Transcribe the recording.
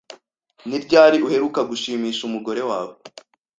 Ni ryari uheruka gushimisha umugore wawe?